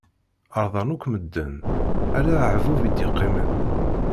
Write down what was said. Ṛḍan akk medden, ala aɣbub i d-iqqimen.